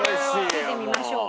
つけてみましょうか。